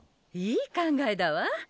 いい考えだわ。